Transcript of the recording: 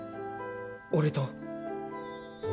俺と。